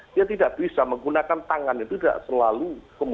dia tidak bisa menggunakan tangan itu tidak selalu kemudian bisa diartikan seperti itu